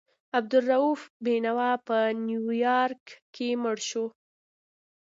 عبدالرؤف بېنوا په نیویارک کې مړ شو.